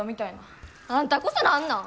あんたこそ何なん！？